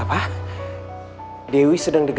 fahri harus tau nih